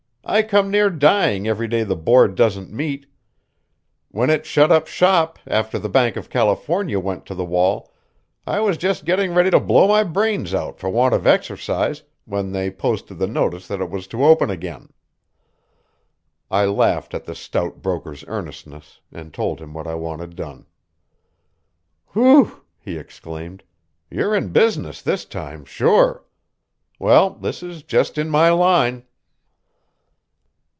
I come near dying every day the Board doesn't meet. When it shut up shop after the Bank of California went to the wall, I was just getting ready to blow my brains out for want of exercise, when they posted the notice that it was to open again." I laughed at the stout broker's earnestness, and told him what I wanted done. "Whew!" he exclaimed, "you're in business this time, sure. Well, this is just in my line."